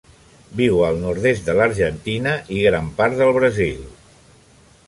Viu al nord-est de l'Argentina i gran part del Brasil.